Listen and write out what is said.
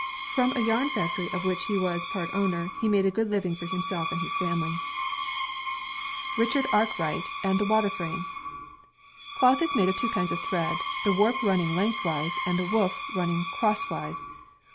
From a yarn factory of which he was part owner, he made a good living for himself and his family. 94 INVENTIONS OF M.WUKACTURE AND PRODUCTION Richard Arkwright and the Water Frame Cloth is made of two kinds of thread, the warp running lengthwise, and the woof running crosswise.